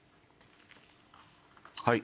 はい。